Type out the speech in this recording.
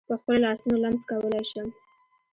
په خپلو لاسونو لمس کولای شم.